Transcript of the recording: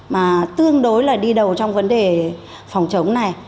mà tương đối là đi đầu trong vấn đề phòng chống này